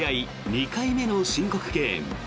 ２回目の申告敬遠。